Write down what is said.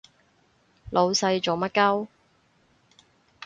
老細做乜 𨳊